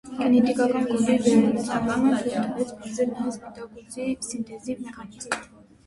Գենետիկական կոդի վերծանումը թույլ տվեց պարզել նաև սպիտակուցի սինթեզի մեխանիզմը։